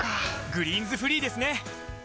「グリーンズフリー」ですね！